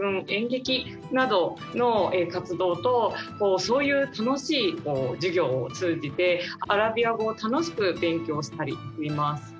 演劇などの活動とそういう楽しい授業を通じてアラビア語を楽しく勉強したりしています。